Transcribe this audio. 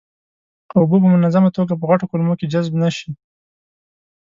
اوبه په منظمه توګه په غټو کولمو کې جذب نشي.